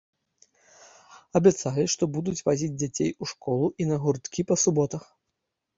Абяцалі, што будуць вазіць дзяцей у школу і на гурткі па суботах.